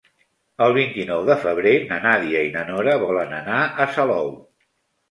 El vint-i-nou de febrer na Nàdia i na Nora volen anar a Salou.